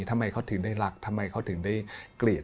ทำไมเขาถึงได้รักทำไมเขาถึงได้เกลียด